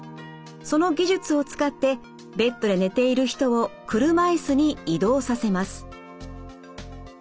その技術を使ってベッドで寝ている人を車イスに移動させます。